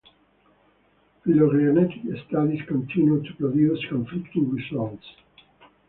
Phylogenetic studies continue to produce conflicting results.